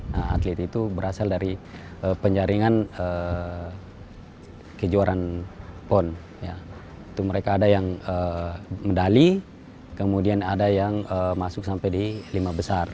nah atlet itu berasal dari penjaringan kejuaraan pon itu mereka ada yang medali kemudian ada yang masuk sampai di lima besar